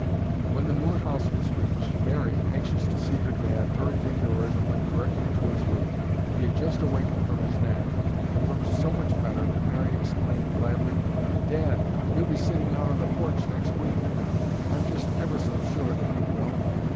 When the Moore house was reached, Mary, anxious to see her dad, hurried indoors and went directly to his room. He had just awakened from his nap and looked so much better that Mary exclaimed gladly, "Dad, you'll be sitting out on the porch next week. I'm just ever so sure that you will."